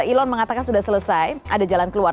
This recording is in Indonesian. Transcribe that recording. elon mengatakan sudah selesai ada jalan keluar